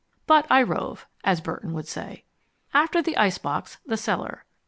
But I rove, as Burton would say. After the ice box, the cellar.